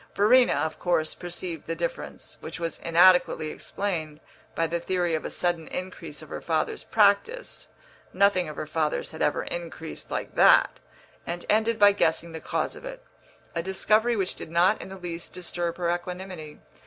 Verena, of course, perceived the difference, which was inadequately explained by the theory of a sudden increase of her father's practice (nothing of her father's had ever increased like that), and ended by guessing the cause of it a discovery which did not in the least disturb her equanimity.